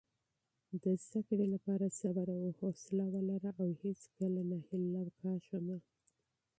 د زده کړې لپاره صبر او حوصله ولره او هیڅکله نا امیده مه کېږه.